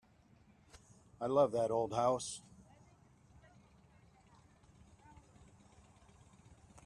I love that old house.